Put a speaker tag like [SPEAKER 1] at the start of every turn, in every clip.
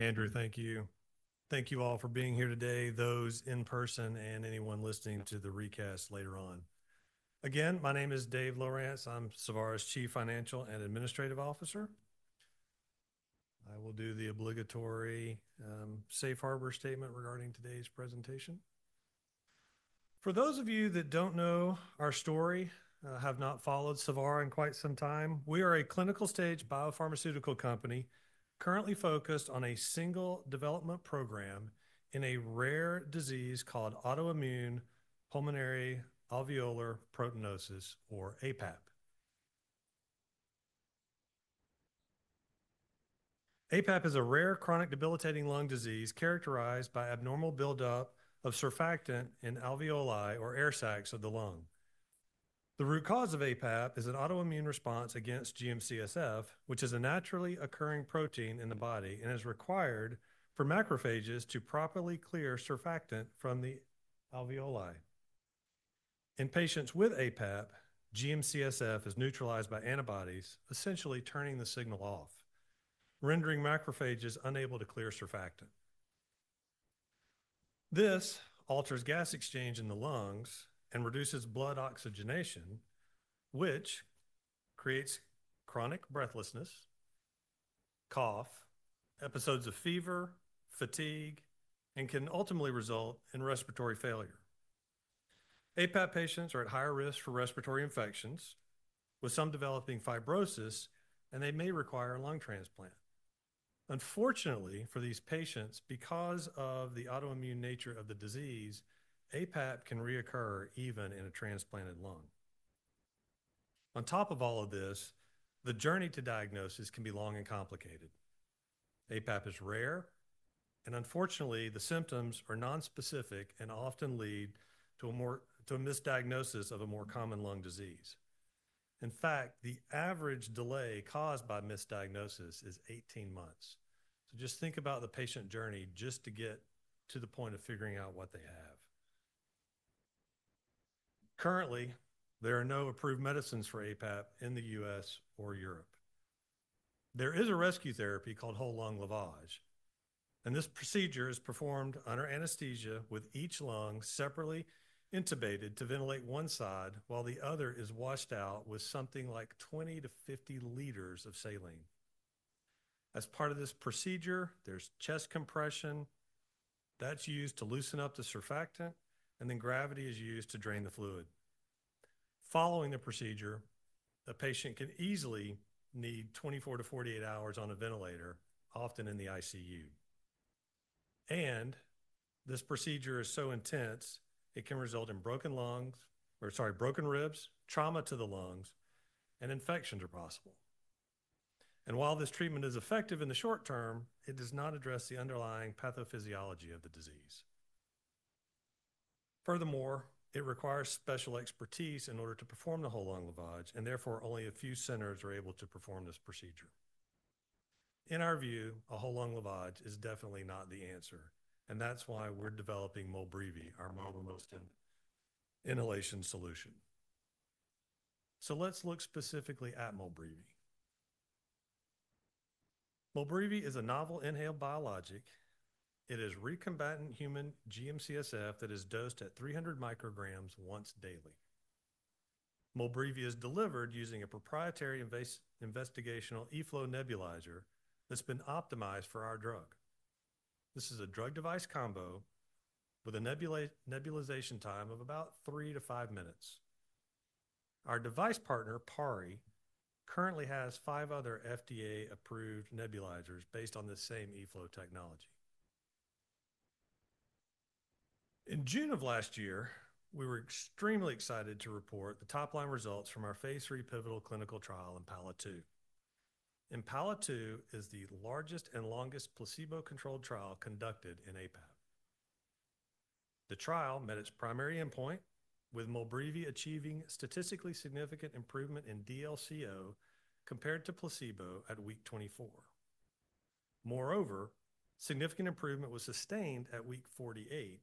[SPEAKER 1] Andrew, thank you. Thank you all for being here today, those in person and anyone listening to the recast later on. Again, my name is Dave Lowrance. I'm Savara's Chief Financial and Administrative Officer. I will do the obligatory safe harbor statement regarding today's presentation. For those of you that don't know our story, have not followed Savara in quite some time, we are a clinical stage biopharmaceutical company currently focused on a single development program in a rare disease called autoimmune pulmonary alveolar proteinosis, or aPAP. aPAP is a rare chronic debilitating lung disease characterized by abnormal buildup of surfactant in alveoli or air sacs of the lung. The root cause of aPAP is an autoimmune response against GM-CSF, which is a naturally occurring protein in the body and is required for macrophages to properly clear surfactant from the alveoli. In patients with aPAP, GM-CSF is neutralized by antibodies, essentially turning the signal off, rendering macrophages unable to clear surfactant. This alters gas exchange in the lungs and reduces blood oxygenation, which creates chronic breathlessness, cough, episodes of fever, fatigue, and can ultimately result in respiratory failure. aPAP patients are at higher risk for respiratory infections, with some developing fibrosis, and they may require a lung transplant. Unfortunately for these patients, because of the autoimmune nature of the disease, aPAP can reoccur even in a transplanted lung. On top of all of this, the journey to diagnosis can be long and complicated. aPAP is rare, and unfortunately, the symptoms are nonspecific and often lead to a misdiagnosis of a more common lung disease. In fact, the average delay caused by misdiagnosis is 18 months. Just think about the patient journey just to get to the point of figuring out what they have. Currently, there are no approved medicines for aPAP in the U.S. or Europe. There is a rescue therapy called whole lung lavage, and this procedure is performed under anesthesia with each lung separately intubated to ventilate one side while the other is washed out with something like 20 liters-50 liters of saline. As part of this procedure, there is chest compression that is used to loosen up the surfactant, and then gravity is used to drain the fluid. Following the procedure, a patient can easily need 24 hours-48 hours on a ventilator, often in the ICU. This procedure is so intense, it can result in broken ribs, trauma to the lungs, and infections are possible. While this treatment is effective in the short term, it does not address the underlying pathophysiology of the disease. Furthermore, it requires special expertise in order to perform the whole lung lavage, and therefore only a few centers are able to perform this procedure. In our view, a whole lung lavage is definitely not the answer, and that's why we're developing MOLBREEVI, our novel inhalation solution. Let's look specifically at MOLBREEVI. MOLBREEVI is a novel inhaled biologic. It is recombinant human GM-CSF that is dosed at 300 micrograms once daily. MOLBREEVI is delivered using a proprietary investigational eFlow nebulizer that's been optimized for our drug. This is a drug device combo with a nebulization time of about three to five minutes. Our device partner, PARI, currently has five other FDA-approved nebulizers based on the same eFlow technology. In June of last year, we were extremely excited to report the top-line results from our phase III pivotal clinical trial in IMPALA-2. IMPALA-2 is the largest and longest placebo-controlled trial conducted in aPAP. The trial met its primary endpoint, with MOLBREEVI achieving statistically significant improvement in DLCO compared to placebo at week 24. Moreover, significant improvement was sustained at week 48,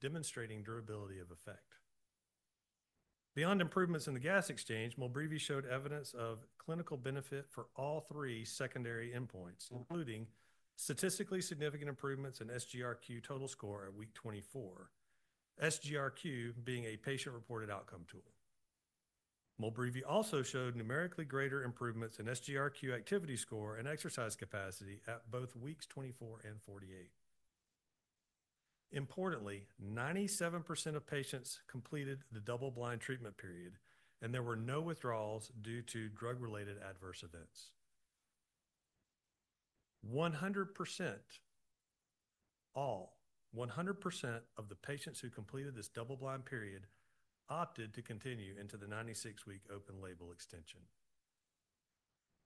[SPEAKER 1] demonstrating durability of effect. Beyond improvements in the gas exchange, MOLBREEVI showed evidence of clinical benefit for all three secondary endpoints, including statistically significant improvements in SGRQ total score at week 24, SGRQ being a patient-reported outcome tool. MOLBREEVI also showed numerically greater improvements in SGRQ activity score and exercise capacity at both weeks 24 and 48. Importantly, 97% of patients completed the double-blind treatment period, and there were no withdrawals due to drug-related adverse events. 100%, all 100% of the patients who completed this double-blind period opted to continue into the 96-week open label extension.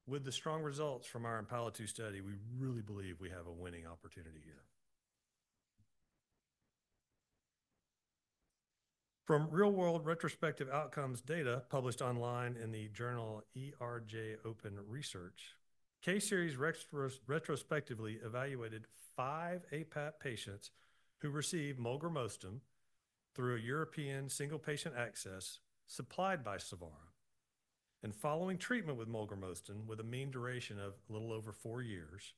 [SPEAKER 1] With the strong results from our IMPALA-2 study, we really believe we have a winning opportunity here. From real-world retrospective outcomes data published online in the journal ERJ Open Research, K-Series retrospectively evaluated five aPAP patients who received MOLBREEVI through a European single patient access supplied by Savara. Following treatment with MOLBREEVI with a mean duration of a little over four years,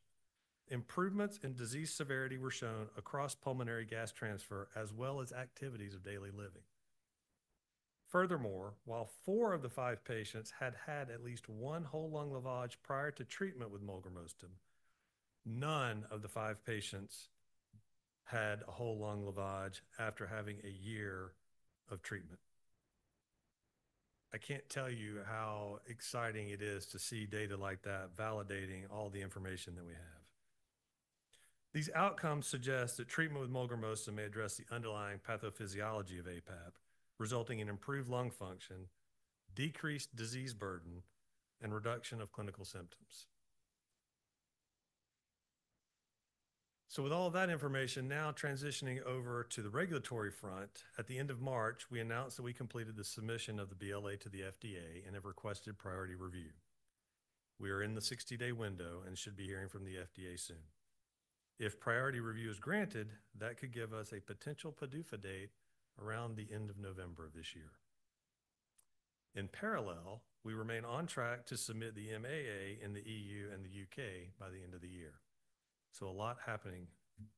[SPEAKER 1] improvements in disease severity were shown across pulmonary gas transfer as well as activities of daily living. Furthermore, while four of the five patients had had at least one whole lung lavage prior to treatment with MOLBREEVI, none of the five patients had a whole lung lavage after having a year of treatment. I can't tell you how exciting it is to see data like that validating all the information that we have. These outcomes suggest that treatment with MOLBREEVI may address the underlying pathophysiology of aPAP, resulting in improved lung function, decreased disease burden, and reduction of clinical symptoms. With all of that information, now transitioning over to the regulatory front, at the end of March, we announced that we completed the submission of the BLA to the FDA and have requested priority review. We are in the 60-day window and should be hearing from the FDA soon. If priority review is granted, that could give us a potential PDUFA date around the end of November of this year. In parallel, we remain on track to submit the MAA in the EU and the U.K. by the end of the year. A lot is happening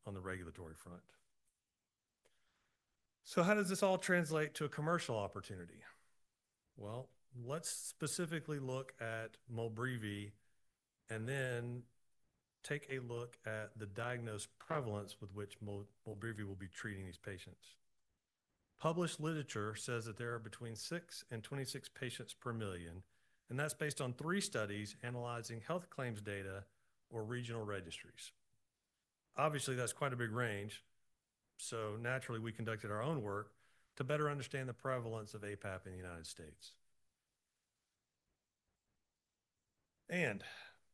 [SPEAKER 1] on the regulatory front. How does this all translate to a commercial opportunity? Let's specifically look at MOLBREEVI and then take a look at the diagnosed prevalence with which MOLBREEVI will be treating these patients. Published literature says that there are between 6 and 26 patients per million, and that's based on three studies analyzing health claims data or regional registries. Obviously, that's quite a big range, so naturally, we conducted our own work to better understand the prevalence of aPAP in the United States.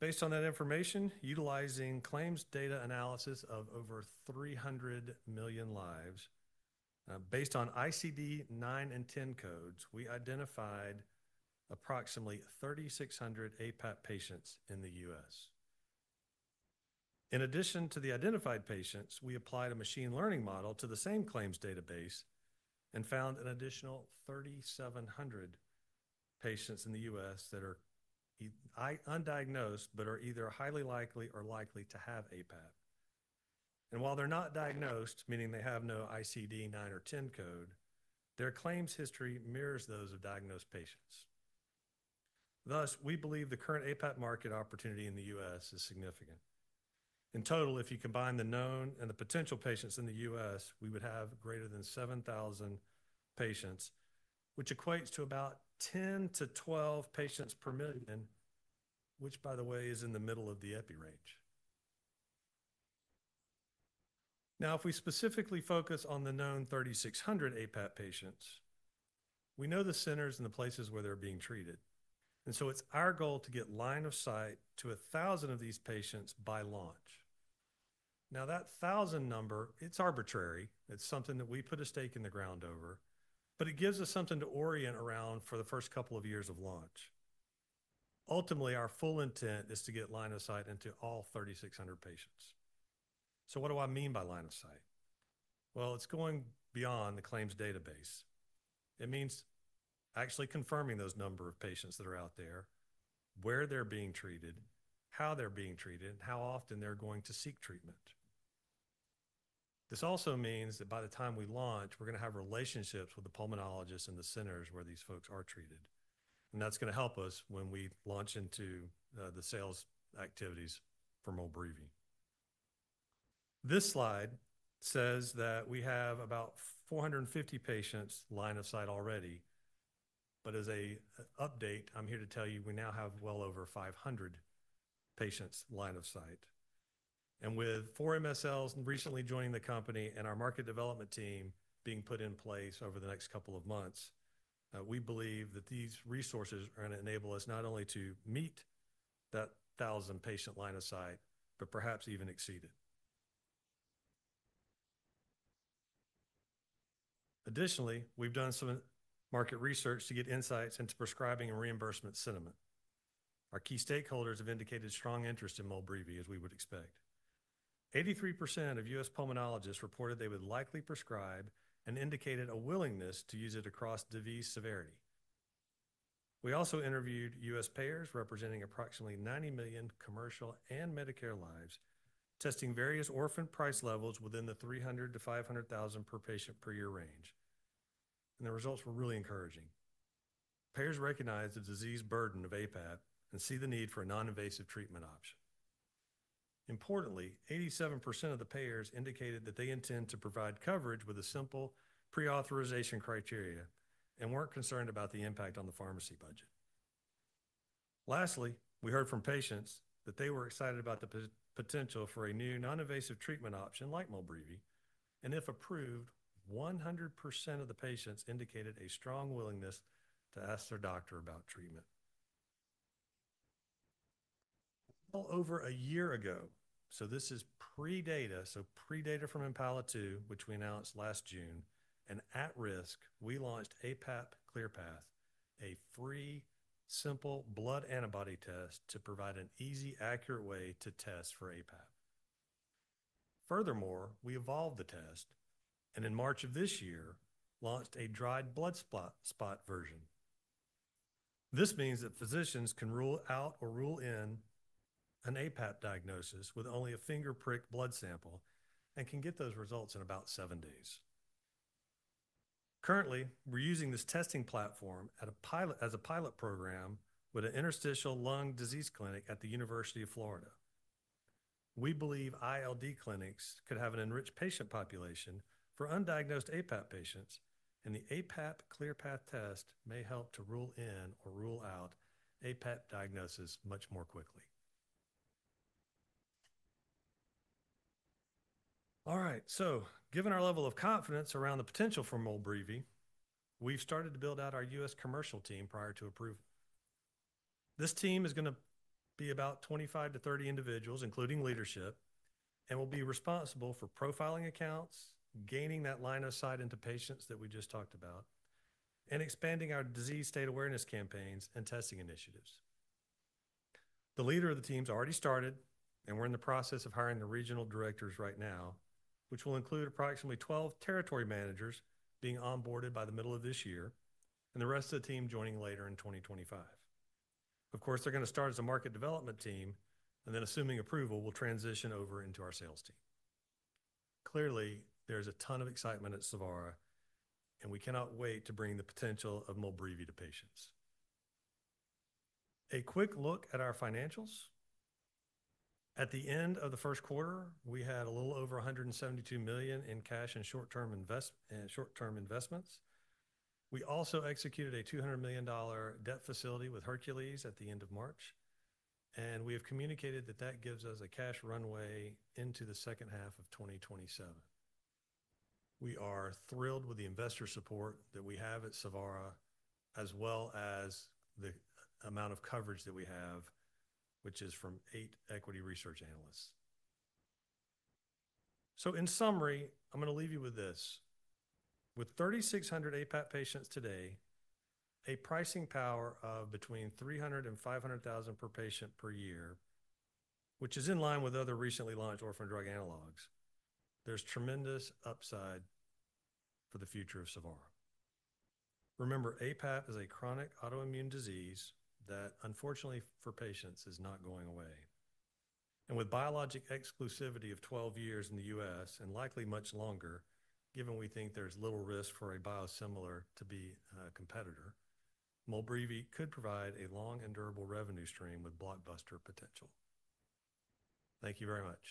[SPEAKER 1] Based on that information, utilizing claims data analysis of over 300 million lives, based on ICD-9 and ICD-10 codes, we identified approximately 3,600 aPAP patients in the U.S. In addition to the identified patients, we applied a machine learning model to the same claims database and found an additional 3,700 patients in the U.S. that are undiagnosed but are either highly likely or likely to have aPAP. While they're not diagnosed, meaning they have no ICD-9 or ICD-10 code, their claims history mirrors those of diagnosed patients. Thus, we believe the current aPAP market opportunity in the U.S. is significant. In total, if you combine the known and the potential patients in the U.S., we would have greater than 7,000 patients, which equates to about 10-12 patients per million, which, by the way, is in the middle of the EPI range. Now, if we specifically focus on the known 3,600 aPAP patients, we know the centers and the places where they're being treated. It is our goal to get line of sight to 1,000 of these patients by launch. Now, that 1,000 number is arbitrary. It is something that we put a stake in the ground over, but it gives us something to orient around for the first couple of years of launch. Ultimately, our full intent is to get line of sight into all 3,600 patients. What do I mean by line of sight? It is going beyond the claims database. It means actually confirming those number of patients that are out there, where they are being treated, how they are being treated, and how often they are going to seek treatment. This also means that by the time we launch, we are going to have relationships with the pulmonologists and the centers where these folks are treated. That is going to help us when we launch into the sales activities for MOLBREEVI. This slide says that we have about 450 patients line of sight already, but as an update, I'm here to tell you we now have well over 500 patients line of sight. With four MSLs recently joining the company and our market development team being put in place over the next couple of months, we believe that these resources are going to enable us not only to meet that 1,000 patient line of sight, but perhaps even exceed it. Additionally, we've done some market research to get insights into prescribing and reimbursement sentiment. Our key stakeholders have indicated strong interest in MOLBREEVI, as we would expect. 83% of U.S. pulmonologists reported they would likely prescribe and indicated a willingness to use it across disease severity. We also interviewed U.S. payers representing approximately 90 million commercial and Medicare lives, testing various orphan price levels within the $300,000-$500,000 per patient per year range. The results were really encouraging. Payers recognize the disease burden of aPAP and see the need for a non-invasive treatment option. Importantly, 87% of the payers indicated that they intend to provide coverage with a simple pre-authorization criteria and were not concerned about the impact on the pharmacy budget. Lastly, we heard from patients that they were excited about the potential for a new non-invasive treatment option like MOLBREEVI, and if approved, 100% of the patients indicated a strong willingness to ask their doctor about treatment. Over a year ago, this is pre-data, so pre-data from IMPALA-2, which we announced last June, and at risk, we launched aPAP ClearPath, a free, simple blood antibody test to provide an easy, accurate way to test for aPAP. Furthermore, we evolved the test and in March of this year launched a dried blood spot version. This means that physicians can rule out or rule in an aPAP diagnosis with only a fingerprick blood sample and can get those results in about seven days. Currently, we're using this testing platform as a pilot program with an interstitial lung disease clinic at the University of Florida. We believe ILD clinics could have an enriched patient population for undiagnosed aPAP patients, and the aPAP ClearPath test may help to rule in or rule out aPAP diagnosis much more quickly. All right, so given our level of confidence around the potential for MOLBREEVI, we've started to build out our U.S. commercial team prior to approval. This team is going to be about 25 to 30 individuals, including leadership, and will be responsible for profiling accounts, gaining that line of sight into patients that we just talked about, and expanding our disease state awareness campaigns and testing initiatives. The leader of the team's already started, and we're in the process of hiring the regional directors right now, which will include approximately 12 territory managers being onboarded by the middle of this year, and the rest of the team joining later in 2025. Of course, they're going to start as a market development team, and then assuming approval, will transition over into our sales team. Clearly, there's a ton of excitement at Savara, and we cannot wait to bring the potential of MOLBREEVI to patients. A quick look at our financials. At the end of the first quarter, we had a little over $172 million in cash and short-term investments. We also executed a $200 million debt facility with Hercules Capital at the end of March, and we have communicated that that gives us a cash runway into the second half of 2027. We are thrilled with the investor support that we have at Savara, as well as the amount of coverage that we have, which is from eight equity research analysts. In summary, I'm going to leave you with this. With 3,600 aPAP patients today, a pricing power of between $300,000 and $500,000 per patient per year, which is in line with other recently launched orphan drug analogs, there's tremendous upside for the future of Savara. Remember, aPAP is a chronic autoimmune disease that, unfortunately for patients, is not going away. With biologic exclusivity of 12 years in the U.S. and likely much longer, given we think there's little risk for a biosimilar to be a competitor, MOLBREEVI could provide a long and durable revenue stream with blockbuster potential. Thank you very much.